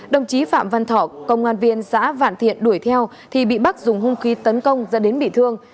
đồng chí phạm văn thọ công an viên xã vạn thiện đuổi theo thì bị bắc dùng hung khí tấn công dẫn đến bị thương